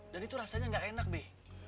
dan itu rasanya nggak enak be